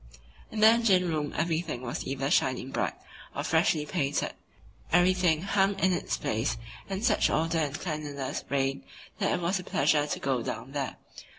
In the engine room everything was either shining bright or freshly painted, everything hung in its place and such order and cleanliness reigned that it was a pleasure to go down there.